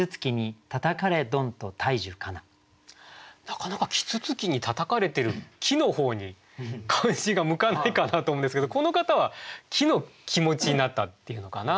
なかなか啄木鳥にたたかれてる木の方に関心が向かないかなと思うんですけどこの方は木の気持ちになったっていうのかな。